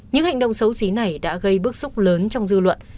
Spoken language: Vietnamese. những hành động xấu xí này đã gây bức xúc lớn trong dư luận